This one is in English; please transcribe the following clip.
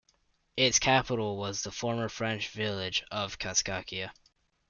Its capital was the former French village of Kaskakia.